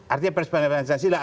artinya pers pancasila